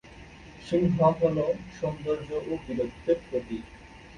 সিংহ হল সৌন্দর্য ও বীরত্বের প্রতীক।